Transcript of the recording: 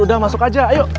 udah masuk aja ayo